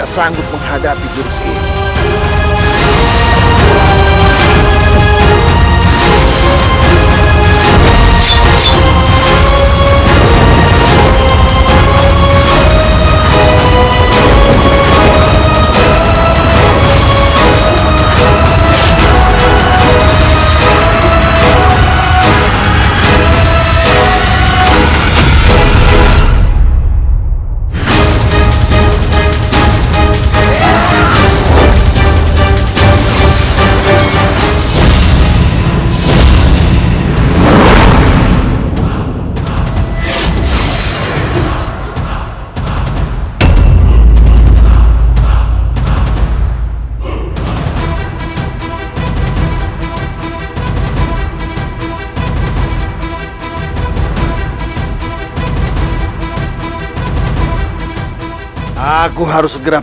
seperti sedia kalah